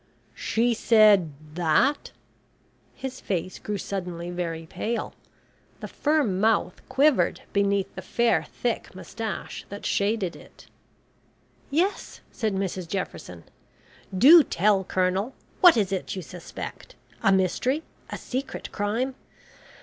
"She said that?" His face grew suddenly very pale. The firm mouth quivered beneath the fair thick moustache that shaded it. "Yes," said Mrs Jefferson. "Do tell, Colonel. What is it you suspect? A mystery a secret crime?